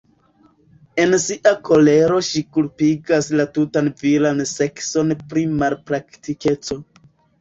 En sia kolero ŝi kulpigas la tutan viran sekson pri malpraktikeco.